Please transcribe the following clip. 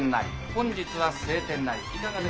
本日は晴天なり。